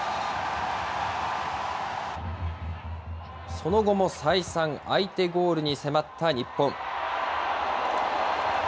その後も再三、相手ゴールに迫った日本。